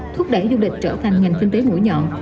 thúc đẩy du lịch trở thành ngành kinh tế mũi nhọn